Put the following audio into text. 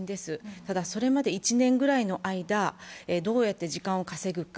ただ、それまで１年くらいの間どうやって時間を稼ぐか。